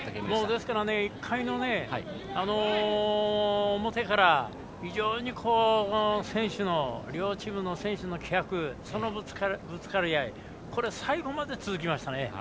ですから、１回の表から非常に両チームの選手の気迫そのぶつかり合いこれが最後まで続きましたね。